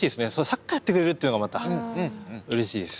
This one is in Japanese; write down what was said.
サッカーやってくれるっていうのがまたうれしいです。